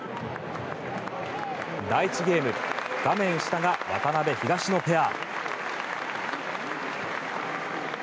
第１ゲーム画面下が渡辺、東野ペア。